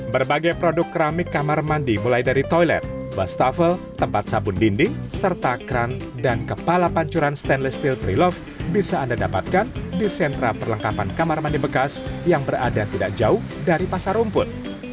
berbagai produk keramik kamar mandi mulai dari toilet bus tafel tempat sabun dinding serta kran dan kepala pancuran stainless steel pre love bisa anda dapatkan di sentra perlengkapan kamar mandi bekas yang berada tidak jauh dari pasar rumput